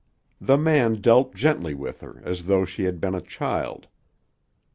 The man dealt gently with her as though she had been a child.